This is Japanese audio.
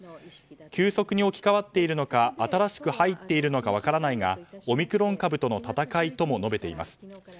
急速に置き換わっているのか新しく入っているのか分からないがオミクロン株との闘いとも述べています。